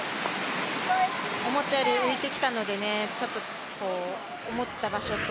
思ったより浮いてきたので、ちょっと思った場所と